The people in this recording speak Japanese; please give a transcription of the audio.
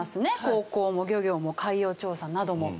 航行も漁業も海洋調査なども。